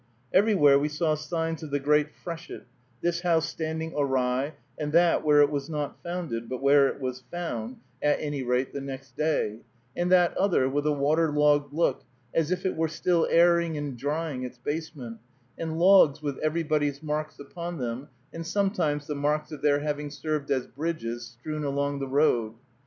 Everywhere we saw signs of the great freshet, this house standing awry, and that where it was not founded, but where it was found, at any rate, the next day; and that other with a waterlogged look, as if it were still airing and drying its basement, and logs with everybody's marks upon them, and sometimes the marks of their having served as bridges, strewn along the road.